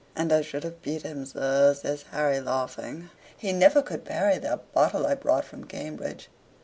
"And I should have beat him, sir," says Harry, laughing. "He never could parry that botte I brought from Cambridge.